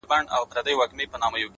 کاڼی مي د چا په لاس کي وليدی!